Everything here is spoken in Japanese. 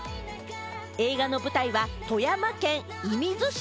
映画の舞台は富山県射水市。